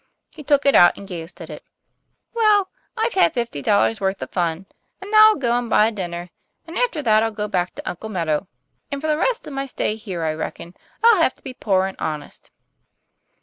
He took it out and gazed at it. "Well, I've had fifty dollars' worth of fun; and now I'll go and buy a dinner, and after that I'll go back to Uncle Meadow ; and for the rest of my stay here I reckon I'll have to be poor and honest."